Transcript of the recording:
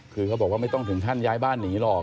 คือเขาบอกว่าไม่ต้องถึงขั้นย้ายบ้านหนีหรอก